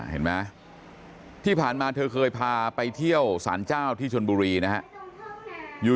เห็นไหมที่ผ่านมาเธอเคยพาไปเที่ยวสารเจ้าที่ชนบุรีนะฮะ